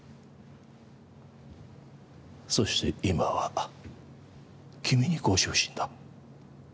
そして今は、君にご執心だ。